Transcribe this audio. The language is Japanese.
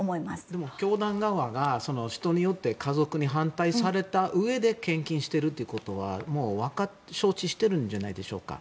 でも教団側が人によって家族に反対されたうえで献金しているってことはもう承知しているんじゃないでしょうか。